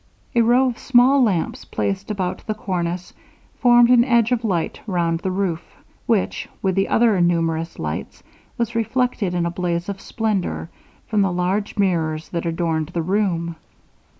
A row of small lamps placed about the cornice, formed an edge of light round the roof which, with the other numerous lights, was reflected in a blaze of splendour from the large mirrors that adorned the room.